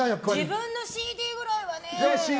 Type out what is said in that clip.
自分のＣＤくらいはね。